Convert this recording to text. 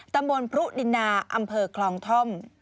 ตำบลพรุ่นดินาอำเภอคลองท่อม